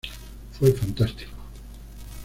Fue fantástico.